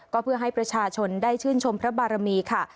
ก็เพื่อให้ประชาชนได้ชื่นชมพระบารมีค่ะ